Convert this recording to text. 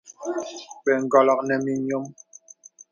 Bə ǹgɔlɔk nɔ mì nyɔm.